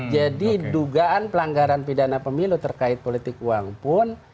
jadi dugaan pelanggaran pidana pemilu terkait politik uang pun